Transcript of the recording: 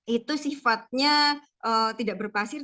itu sifatnya tidak berpasir